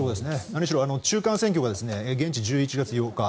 何しろ中間選挙は現地１１月８日